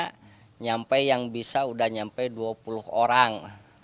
karang taruna sampai yang bisa sudah sampai dua puluh orang